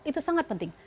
itu sangat penting